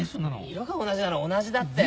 色が同じなら同じだって。